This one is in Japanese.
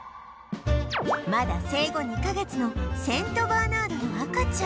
まだ生後２カ月のセント・バーナードの赤ちゃん